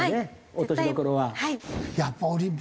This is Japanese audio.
落としどころは。